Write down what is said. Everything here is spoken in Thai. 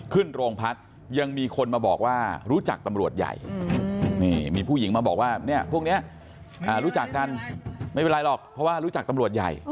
ขึ้นโรงพักยังมีคนมาบอกว่ารู้จักตำรวจใหญ่นี่มีผู้หญิงมาบอกว่าเนี่ยพวกนี้รู้จักกันไม่เป็นไรหรอกเพราะว่ารู้จักตำรวจใหญ่